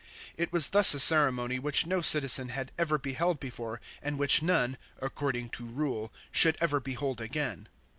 It was thus a ceremony which no citizen had ever beheld before and which none — according to rule — should ever behold again.